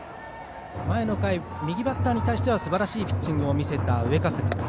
前の回、右バッターに対してはすばらしいピッチングを見せた上加世田。